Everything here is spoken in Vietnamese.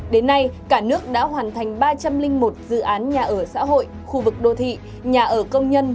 đến nay cả nước đã hoàn thành ba trăm linh một dự án nhà ở xã hội khu vực đô thị nhà ở công nhân